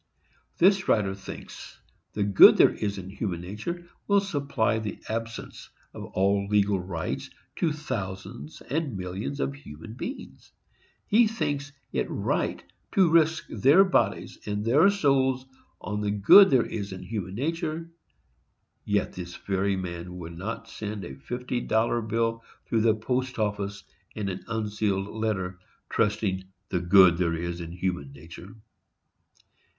This writer thinks the good there is in human nature will supply the absence of all legal rights to thousands and millions of human beings. He thinks it right to risk their bodies and their souls on the good there is in human nature; yet this very man would not send a fifty dollar bill through the post office, in an unsealed letter, trusting to "the good there is in human nature."